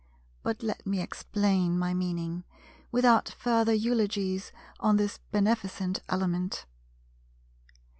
But let me explain my meaning, without further eulogies on this beneficent Element.